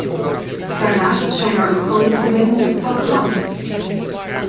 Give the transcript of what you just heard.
Daarnaast zijn er ook grote problemen op het platteland.